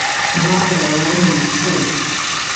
Vāverei laimīgu ceļu.